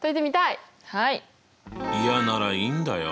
嫌ならいいんだよ？